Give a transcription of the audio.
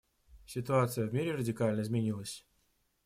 Ситуация в мире радикально изменилась.